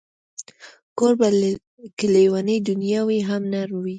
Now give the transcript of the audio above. کوربه که لېونۍ دنیا وي، هم نرم وي.